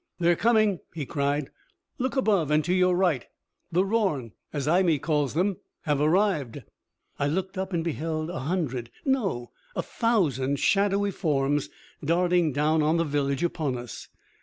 "They're coming!" he cried. "Look above and to your right! The Rorn, as Imee calls them, have arrived!" I looked up and beheld a hundred no, a thousand! shadowy forms darting down on the village, upon us.